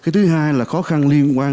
thứ hai là khó khăn liên quan